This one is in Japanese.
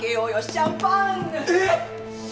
シャンパン？ははっ。